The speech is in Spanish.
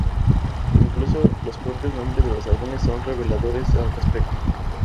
Incluso los propios nombres de los álbumes son reveladores al respecto.